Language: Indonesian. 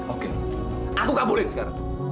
oke aku kabulin sekarang